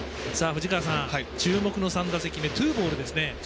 藤川さん、注目の３打席目ツーボールですね。